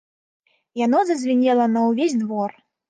Яно зазвінела на ўвесь двор.